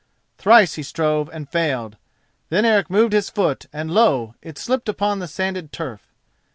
Thrice he strove and failed, then Eric moved his foot and lo! it slipped upon the sanded turf.